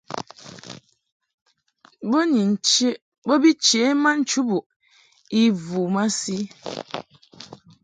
Bo bi chě ma nchubuʼ i vu masi.